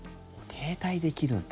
停滞できるんだ。